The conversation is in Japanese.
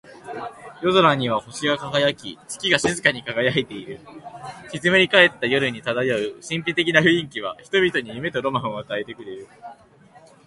夜空には星が瞬き、月が静かに輝いている。静まり返った夜に漂う神秘的な雰囲気は、人々に夢とロマンを与えてくれる。